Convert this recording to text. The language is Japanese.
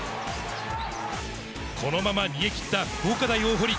このまま逃げ切った福岡大大濠。